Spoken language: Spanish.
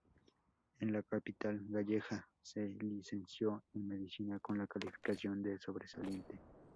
En la capital gallega se licenció en Medicina con la calificación de sobresaliente.